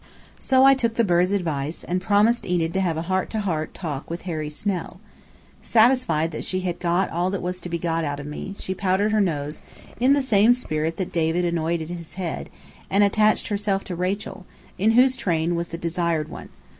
So I took the birds' advice, and promised Enid to have a "heart to heart" talk with Harry Snell. Satisfied that she had got all that was to be got out of me, she powdered her nose (in the same spirit that David anointed his head) and attached herself to Rachel, in whose train was the Desired One.